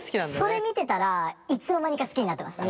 それ見てたらいつの間にか好きになってました。